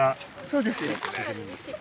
そうですね。